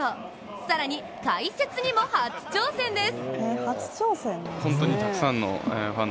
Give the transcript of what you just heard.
更に解説にも初挑戦です。